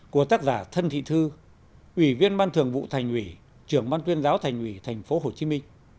của tác giả thân thị thư ủy viên ban thường vụ thành ủy trưởng ban tuyên giáo thành ủy tp hcm